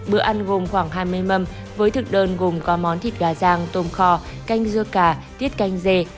bữa ăn gồm khoảng hai mươi mâm với thực đơn gồm có món thịt gà giang tôm kho canh dưa cà tiết canh dê